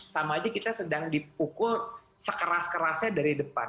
sama aja kita sedang dipukul sekeras kerasnya dari depan